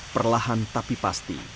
perlahan tapi pasti